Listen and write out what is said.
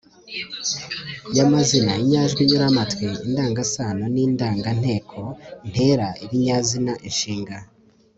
y'amazina, inyajwi nyuramatwi, indangasano n'indanganteko, ntera, ibinyazina, inshinga